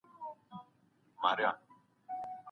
ستا د لوزونو او وعدو لپاره